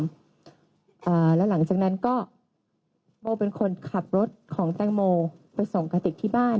อ่าแล้วหลังจากนั้นก็โบเป็นคนขับรถของแตงโมไปส่งกระติกที่บ้าน